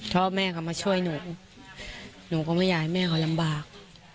พ่อแม่เขามาช่วยหนูหนูก็ไม่อยากให้แม่เขาลำบาก